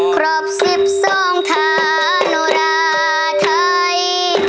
ครอบสิบทรงทานุราไทย